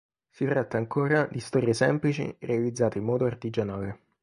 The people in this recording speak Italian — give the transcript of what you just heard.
Si tratta ancora di storie semplici realizzate in modo artigianale.